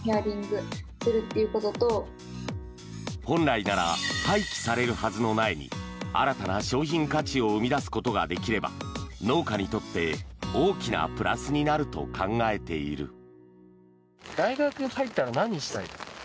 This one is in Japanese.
本来なら廃棄されるはずの苗に新たな商品価値を生み出すことができれば農家にとって大きなプラスになると考えている。